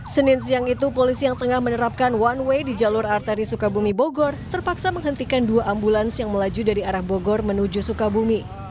senin siang itu polisi yang tengah menerapkan one way di jalur arteri sukabumi bogor terpaksa menghentikan dua ambulans yang melaju dari arah bogor menuju sukabumi